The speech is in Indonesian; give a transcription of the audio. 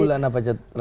bulan apa ya